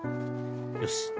よし。